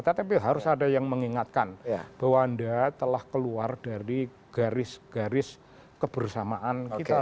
tetapi harus ada yang mengingatkan bahwa anda telah keluar dari garis garis kebersamaan kita